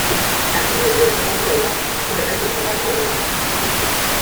A su regreso a Noruega, fue recibida con honores.